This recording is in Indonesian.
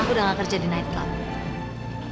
aku udah gak kerja di nightclub